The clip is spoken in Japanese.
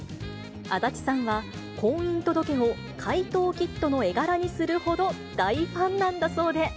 足立さんは婚姻届を怪盗キッドの絵柄にするほど大ファンなんだそ